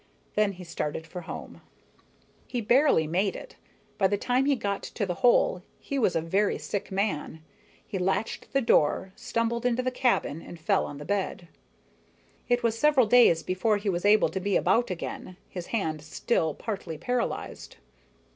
Then he started for home. He barely made it. By the time he got to the hole, he was a very sick man. He latched the door, stumbled into the cabin and fell on the bed. It was several days before he was able to be about again, his hand still partly paralyzed.